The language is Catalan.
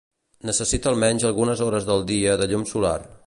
Necessita almenys algunes hores del dia de llum solar.